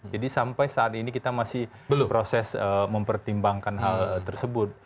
jadi sampai saat ini kita masih proses mempertimbangkan hal tersebut